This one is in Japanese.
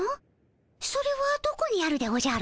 それはどこにあるでおじゃる？